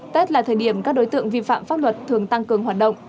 tết là thời điểm các đối tượng vi phạm pháp luật thường tăng cường hoạt động